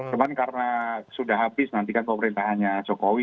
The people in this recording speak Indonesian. cuman karena sudah habis nantikan pemerintahannya jokowi